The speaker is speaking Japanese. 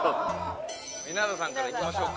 稲田さんからいきましょうか。